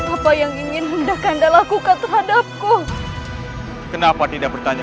apa yang ingin kanda lakukan terhadapku kenapa tidak bertanya